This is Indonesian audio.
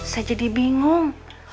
saya jadi bingung